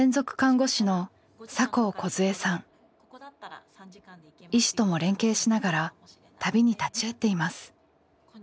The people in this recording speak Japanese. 医師とも連携しながら旅に立ち会っています。